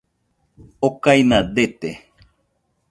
okaina dete